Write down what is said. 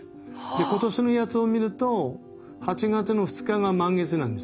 で今年のやつを見ると８月の２日が満月なんですね。